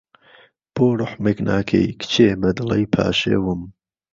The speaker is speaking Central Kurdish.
بۆ روحمێک ناکهی، کچێ به دڵهی پاشێوم